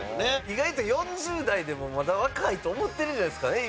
意外と４０代でもまだ若いと思ってるんじゃないですかね